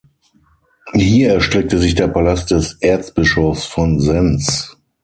Hier erstreckte sich der Palast des Erzbischofs von Sens.